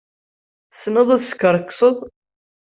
Tessneḍ ad teskerkseḍ.